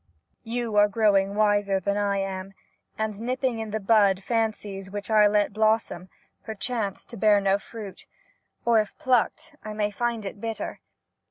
... You are growing wiser than I am, and nip ping in the bud fancies which I let blossom — per chance to bear no fruit, or if plucked, I may find it bitter.